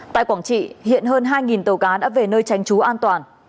tại quảng trị hiện hơn hai tàu cá đã về nơi tránh trú an toàn